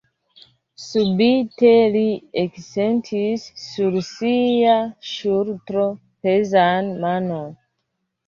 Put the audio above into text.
Subite li eksentis sur sia ŝultro pezan manon.